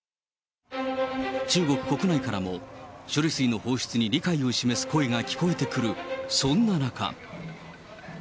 中国国内からも、処理水の放出に理解を示す声が聞こえてくる、そんな中。